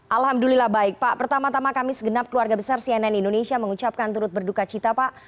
alhamdulillah baik pak pertama tama kami segenap keluarga besar cnn indonesia mengucapkan turut berduka cita pak